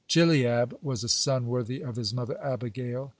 (139) Chileab was a son worthy of his mother Abigail.